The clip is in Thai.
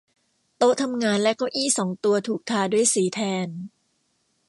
โต๊ะทำงานและเก้าอี้สองตัวถูกทาด้วยสีแทน